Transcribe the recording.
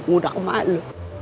udah ke ma lu